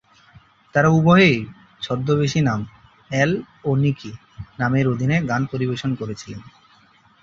তারা উভয়েই ছদ্মবেশী নাম "অ্যাল ও নিকি" নামের অধীনে গান পরিবেশন করেছিলেন।